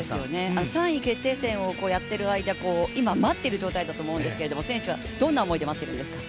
３位決定戦をやっている間、待っていると思うんですけど選手はどんな思いで待っているんですか？